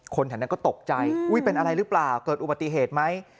แถวนั้นก็ตกใจอุ๊ยเป็นอะไรหรือเปล่าเกิดอุบัติเหตุไหม